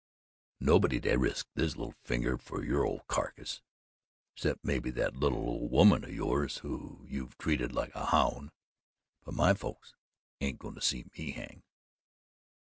Nobody'd risk his little finger for your old carcass, 'cept maybe that little old woman o' yours who you've treated like a hound but my folks ain't goin' to see me hang."